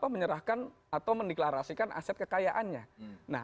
menyerahkan atau mendeklarasikan aset kekayaannya